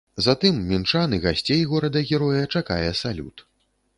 Затым мінчан і гасцей горада-героя чакае салют.